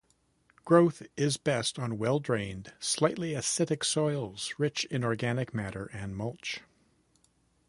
Growth is best on well-drained, slightly acidic soils rich in organic matter and mulch.